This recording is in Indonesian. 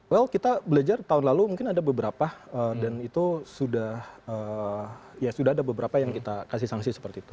well kita belajar tahun lalu mungkin ada beberapa dan itu sudah ya sudah ada beberapa yang kita kasih sanksi seperti itu